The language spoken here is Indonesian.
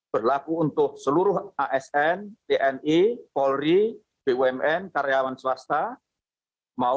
berlaku untuk seluruh asn tni polri bumn karyawan swasta